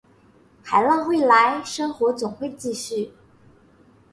海浪会来，生活总会继续